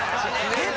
出た！